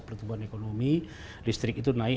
pertumbuhan ekonomi listrik itu naik